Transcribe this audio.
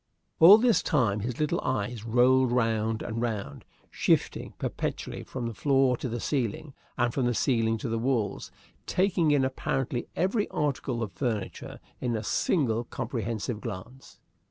All this time his little eyes rolled round and round, shifting perpetually from the floor to the ceiling, and from the ceiling to the walls, taking in apparently every article of furniture in a single comprehensive glance.